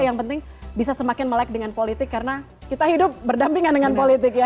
yang penting bisa semakin melek dengan politik karena kita hidup berdampingan dengan politik ya